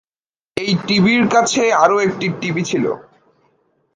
এই ঢিবির কাছে আরো একটি ঢিবি ছিলো।